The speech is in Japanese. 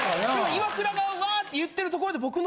イワクラがわって言ってるところで。